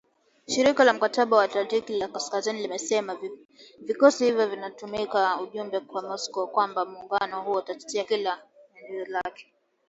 Shirika la Mkataba wa Atlantiki ya Kaskazini limesema vikosi hivyo vinatuma ujumbe kwa Moscow kwamba muungano huo utatetea kila nchi ya eneo lake